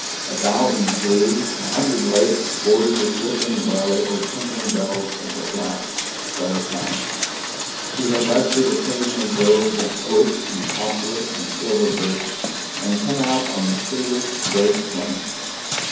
A thousand slews, a hundred lakes bordered with rippling barley or tinkling bells of the flax, Claire passed. She had left the occasional groves of oak and poplar and silver birch, and come out on the treeless Great Plains.